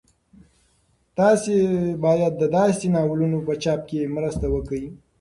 تاسو باید د داسې ناولونو په چاپ کې مرسته وکړئ.